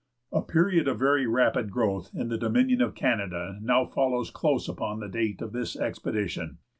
A period of very rapid growth in the Dominion of Canada now follows close upon the date of this expedition.